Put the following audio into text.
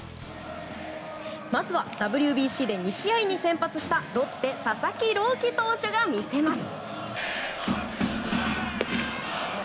まずはＷＢＣで２試合に先発したロッテ佐々木朗希投手が見せます。